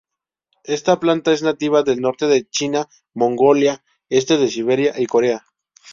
Esta planta es nativa del norte de China, Mongolia, este de Siberia y Corea.